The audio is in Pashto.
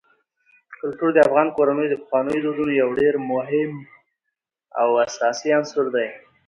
کلتور د افغان کورنیو د پخوانیو دودونو یو ډېر مهم او اساسي عنصر دی.